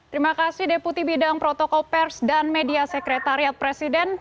terima kasih deputi bidang protokol pers dan media sekretariat presiden